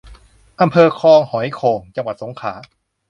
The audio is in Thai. อำเภอคลองหอยโข่ง จังหวัดสงขลา